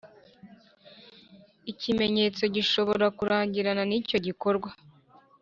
ikimenyetso gishobora kurangirana nicyo gikorwa